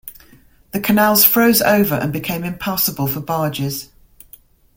The canals froze over and became impassable for barges.